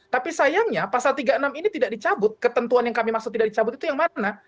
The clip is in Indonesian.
tapi sayangnya pasal tiga puluh enam ini tidak dicabut ketentuan yang kami maksud tidak dicabut itu yang mana